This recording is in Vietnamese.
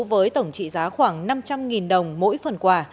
với tổng trị giá khoảng năm trăm linh đồng mỗi phần quà